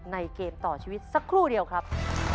เกมต่อชีวิตสักครู่เดียวครับ